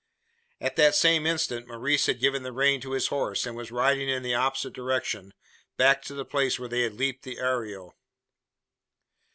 At the same instant, Maurice had given the rein to his horse, and was riding in the opposite direction back to the place where they had leaped the arroyo!